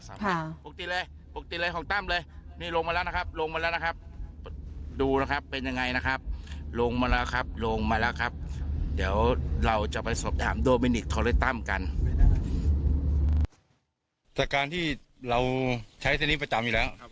จากการที่เราใช้เส้นนี้ประจำอยู่แล้ว